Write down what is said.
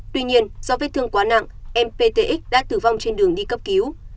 tuy nhiên do vết thương quá nặng em ptx đã tử vong trên đường đi cấp cứu